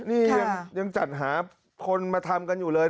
นี่ยังจัดหาคนมาทำกันอยู่เลย